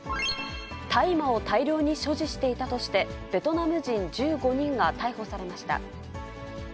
大麻を大量に所持していたとして、ベトナム人１５人が逮捕されました。